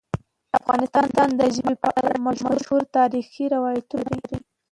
افغانستان د ژبې په اړه مشهور تاریخی روایتونه لري.